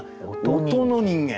音の人間。